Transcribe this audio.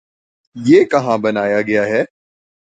یہ کہاں بنایا گیا ہے؟